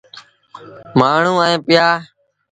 مآڻهوٚݩ ائيٚݩ پيآ۔